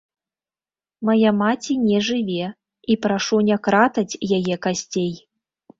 Мая маці не жыве, і прашу не кратаць яе касцей.